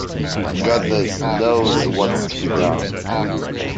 Goodness knows what’s to be done.